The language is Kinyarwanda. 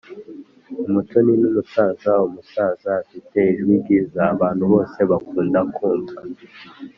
umuto n'umusaza: umusaza ufite ijwi ryiza abantu bose bakunda kumva